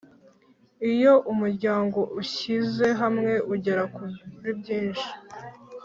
Iyo umuryango ushyize hamwe ugera kuri byinshi